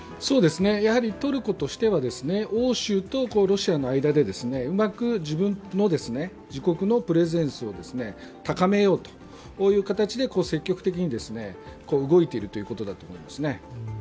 やはりトルコとしては欧州とロシアの間でうまく自国のプレゼンスを高めようという形で積極的に動いているということだと思いますね。